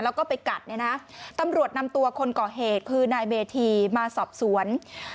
แล้วก็ไปกัดเนี่ยนะตำรวจนำตัวคนก่อเหตุคือนายเมธีมาสอบสวน